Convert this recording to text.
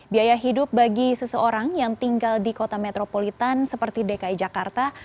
biaya hidup bagi seseorang yang tinggal di kota metropolitan seperti dki jakarta